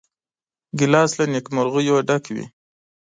ګیلاس له نیکمرغیو ډک وي.